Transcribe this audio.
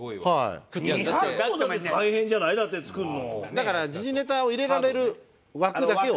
だから時事ネタを入れられる枠だけを。